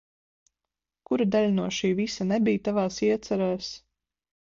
Kura daļa no šī visa nebija tavās iecerēs?